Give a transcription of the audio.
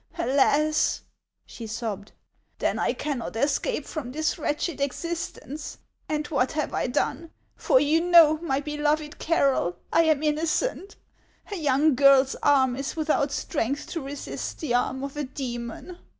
" Alas !" she sobbed, " then I cannot escape from this wretched existence ! And what have I done ? for you know, my beloved Carroll, I am innocent. A young girl's arm is without strength to resist the arm of a demon."